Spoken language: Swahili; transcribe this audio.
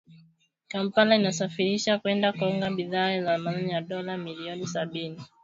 Kampala inasafirisha kwenda Kongo bidhaa za thamani ya dola milioni sabini na nne